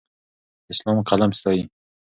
اسلام قلم ستایي.